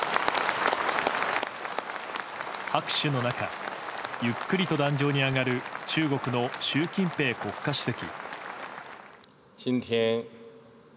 拍手の中ゆっくりと壇上に上がる中国の習近平国家主席。